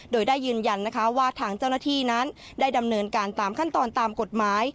โดยได้ยืนยันนะคะว่าทางเจ้าหน้าที่นั้นได้ดำเนินการตามขั้นตอนตามกฎหมาย